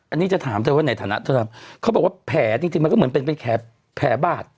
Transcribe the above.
อันนี้จะถามเธอว่าในฐานะเธอทำเขาบอกว่าแผลจริงมันก็เหมือนเป็นแผลบาด